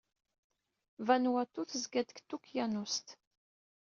Vanuatu tezga-d deg Tukyanust.